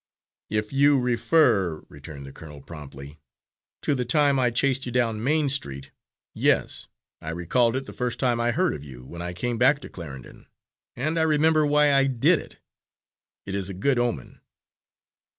"If you refer," returned the colonel promptly, "to the time I chased you down Main Street, yes I recalled it the first time I heard of you when I came back to Clarendon and I remember why I did it. It is a good omen."